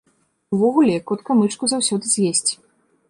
Увогуле, котка мышку заўсёды з'есць.